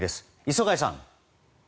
磯貝さん。